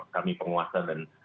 kami penguasa dan